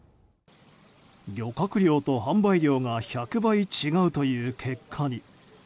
漁獲量と販売量が１００倍違うという結果に。